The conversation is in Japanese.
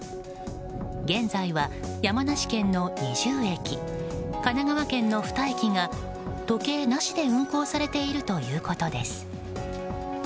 現在は山梨県の２０駅神奈川県の２駅が時計なしで運行されているということです。